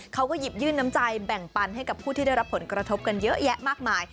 เขาก็หยิบยื่นน้ำใจแบ่งปันให้กับผู้ที่ได้รับผลกระทบกันเยอะแยะมากมาย